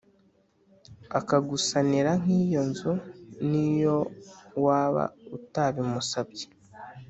akagusanira nk’iyo nzu n’iyo wabautabimusabye